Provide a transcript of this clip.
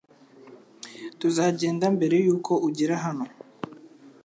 Tuzagenda mbere yuko ugera hano .